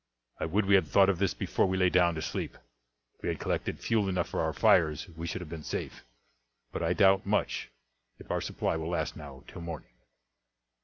"I would we had thought of this before we lay down to sleep. If we had collected fuel enough for our fires we should have been safe; but I doubt much if our supply will last now till morning."